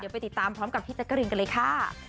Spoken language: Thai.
ไปติดตามพร้อมกับพี่แจ๊กกะรีนกันเลยค่ะ